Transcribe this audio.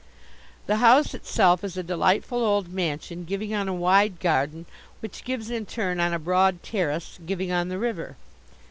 The house itself is a delightful old mansion giving on a wide garden, which gives in turn on a broad terrace giving on the river.